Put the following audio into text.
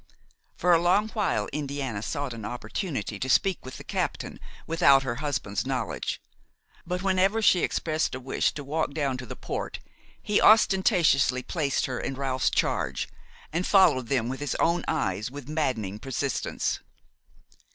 For a long while Indiana sought an opportunity to speak with the captain without her husband's knowledge, but whenever she expressed a wish to walk down to the port, he ostentatiously placed her in Ralph's charge, and followed them with his own eyes with maddening persistence.